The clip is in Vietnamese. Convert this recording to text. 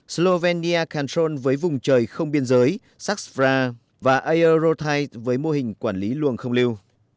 slovenia control với vùng trời không biên giới saxfra và aerotide với mô hình quản lý luồng không lưu